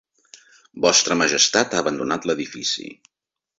Vostra Majestat ha abandonat l'edifici.